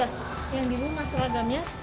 yang di rumah seragamnya